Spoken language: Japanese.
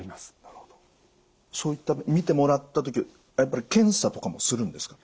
そういった診てもらった時はやっぱり検査とかもするんですか？